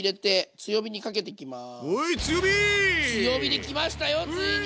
強火できましたよついに！